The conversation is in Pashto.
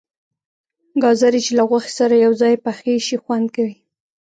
گازرې چې له غوښې سره یو ځای پخې شي خوند کوي.